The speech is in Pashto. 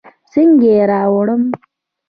څنګه يې راوړم.